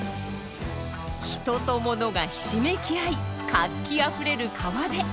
人と物がひしめき合い活気あふれる川辺。